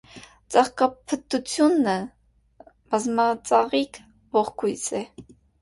Ծաղկափթթությունը բազմածաղիկ ողկույզ է։